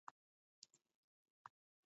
Icho dedeenda kifonyi